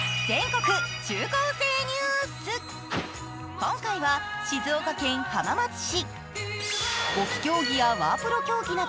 今回は静岡県浜松市。